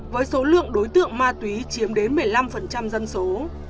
với số lượng đối tượng ma túy chiếm đến một mươi năm dân số